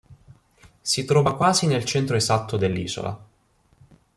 Si trova quasi nel centro esatto dell'isola.